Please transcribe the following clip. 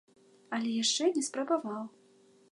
Але яшчэ не спрабаваў.